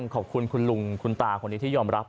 ขอบคุณคุณลุงคุณตาคนนี้ที่ยอมรับ